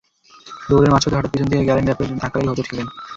দৌড়ের মাঝপথে হঠাৎ পেছন থেকে গ্যালেন রাপের ধাক্কা লেগে হোঁচট খেলেন।